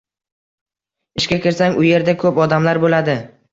Ishga kirsang, u yerda koʻp odamlar boʻladi.